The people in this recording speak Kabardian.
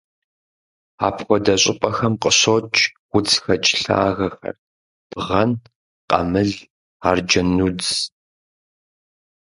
Апхуэдэ щӀыпӀэхэм къыщокӀ удзхэкӀ лъагэхэр: бгъэн, къамыл, арджэнудз.